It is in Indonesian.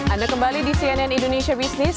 anda kembali di cnn indonesia business